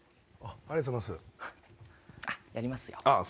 ありがとうございます。